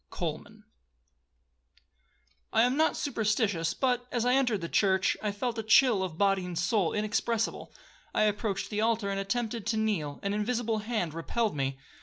COLMAN 'I am not superstitious, but, as I entered the church, I felt a chill of body and soul inexpressible. I approached the altar, and attempted to kneel,—an invisible hand repelled me.